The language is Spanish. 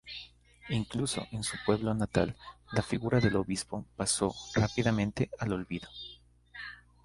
Incluso en su pueblo natal, la figura del obispo pasó rápidamente al olvido.